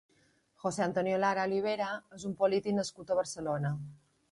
José Antonio Lara Olivera és un polític nascut a Barcelona.